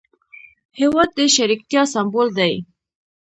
هېواد د شریکتیا سمبول دی.